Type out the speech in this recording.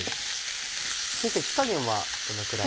先生火加減はどのぐらい？